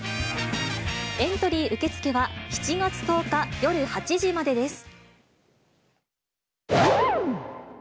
エントリー受け付けは７月１０日夜８時までです。